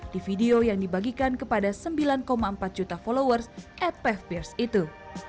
di video yang dibagikan kepada sembilan empat juta followers at paveres itu